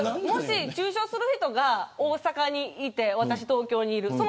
中傷する人が大阪にいて私が東京にいる。